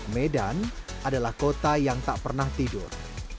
medan adalah kota yang tak pernah tidur